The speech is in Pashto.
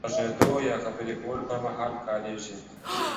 غږېدو يا خبرې کولو پر مهال کارېږي.